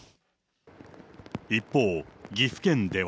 一方、岐阜県では。